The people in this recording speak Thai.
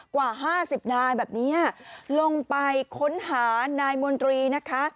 กว่า๕๐นายแบบนี้ลงไปค้นหานายมนตรีนะคะ